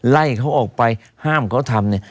ไล่เขาออกไปห้ามเขาทำ